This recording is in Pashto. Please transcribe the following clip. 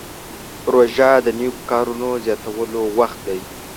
روژه د نیکو کارونو زیاتولو وخت دی.